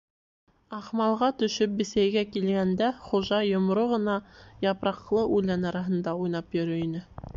Ахмалға төшөп Бесәйгә килгәндә, хужа йомро ғына япраҡлы үлән араһында уйнап йөрөй ине.